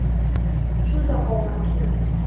Chuza kwa umakini